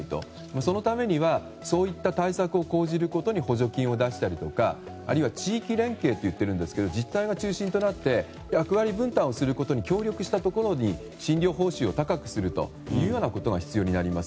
そのためにはそういった対策を講じることに補助金を出したり、あるいは地域連携といっていますが自治体が中心となって役割分担をすることに協力したところに診療方針を高くするというようなことが必要になります。